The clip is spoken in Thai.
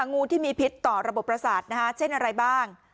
งูที่มีพิษต่อระบบประสาทเช่นอะไรบ้าง